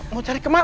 mau cari kema